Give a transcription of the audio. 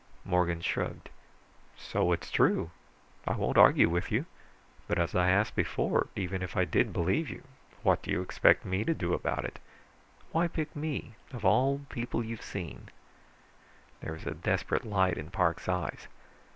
_" Morgan shrugged. "So it's true. I won't argue with you. But as I asked before, even if I did believe you, what do you expect me to do about it? Why pick me, of all the people you've seen?" There was a desperate light in Parks' eyes.